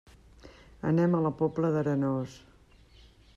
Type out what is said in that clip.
Anem a la Pobla d'Arenós.